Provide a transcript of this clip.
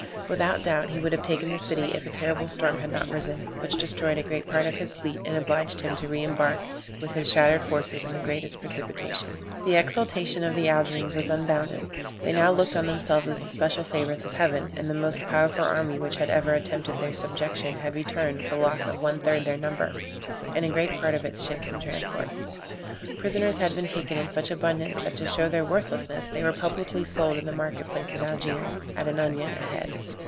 Without doubt he would have taken the city, if a terrible storm had not risen, which destroyed a great part of his fleet and obliged him to re embark with his shattered forces in the greatest precipitation. The exultation of the Algerines was unbounded; they now looked on themselves as the special favorites of heaven; the most powerful army which had ever attempted their subjection had returned with the loss of one third their number, and a great part of its ships and transports. Prisoners had been taken in such abundance, that to show their worthlessness, they were publicly sold in the market place at Algiers, at an onion a head.